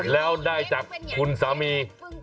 แล้วได้จากคุณสามี